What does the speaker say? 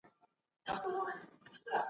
شواليان په ټولنه کي مهم وو.